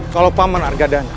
kalau paman argadana